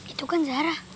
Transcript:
itu kan zara